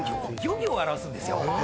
漁業を表すんですよ。